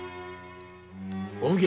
お奉行。